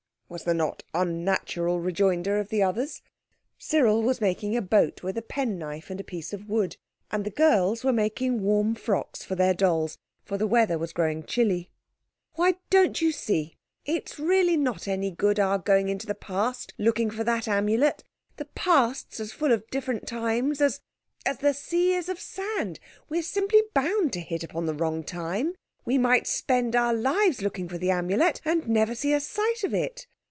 was the not unnatural rejoinder of the others. Cyril was making a boat with a penknife and a piece of wood, and the girls were making warm frocks for their dolls, for the weather was growing chilly. "Why, don't you see? It's really not any good our going into the Past looking for that Amulet. The Past's as full of different times as—as the sea is of sand. We're simply bound to hit upon the wrong time. We might spend our lives looking for the Amulet and never see a sight of it.